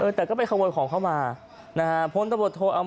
แต่ก็ไปขโมยของเข้ามานะฮะ